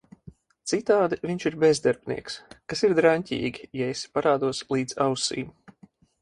Citādi viņš ir bezdarbnieks - kas ir draņķīgi, ja esi parādos līdz ausīm…